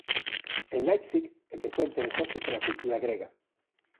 En Leipzig empezou a interesarse pola cultura grega.